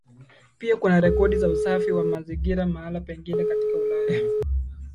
Pia kuna rekodi za usafi wa mazingira mahala pengine katika Ulaya